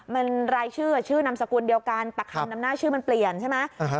มันรายชื่อชื่อนามสกุลเดียวกันแต่คำนำหน้าชื่อมันเปลี่ยนใช่ไหม